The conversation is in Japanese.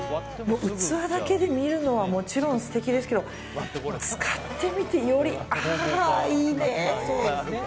器だけで見るのはもちろん素敵ですけど使ってみてよりいいね！